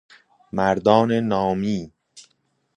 مردان نامی